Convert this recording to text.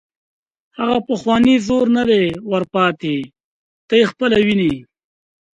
هغه پخوانی زور نه دی ور پاتې، ته یې خپله ویني.